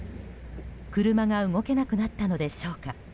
車が動けなくなったのでしょうか。